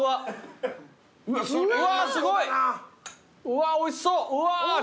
うわおいしそううわチーズも。